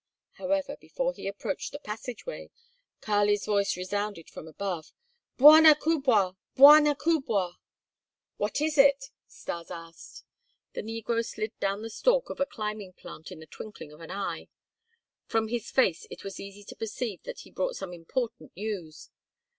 However, before he approached the passageway, Kali's voice resounded from above: "Bwana kubwa! Bwana kubwa!" "What is it?" Stas asked. The negro slid down the stalk of the climbing plant in the twinkling of an eye. From his face it was easy to perceive that he brought some important news.